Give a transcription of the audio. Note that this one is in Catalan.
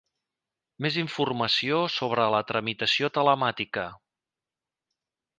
Més informació sobre la tramitació telemàtica.